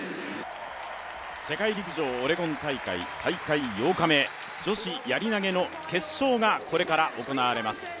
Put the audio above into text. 世界陸上オレゴン大会大会８日目、女子やり投の決勝がこれから行われます。